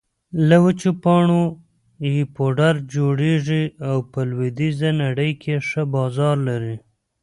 له وچو پاڼو يې پوډر جوړېږي او په لویدېزه نړۍ کې ښه بازار لري